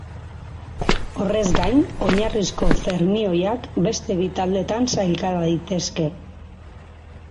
Horrez gain, oinarrizko fermioiak beste bi taldetan sailka daitezke.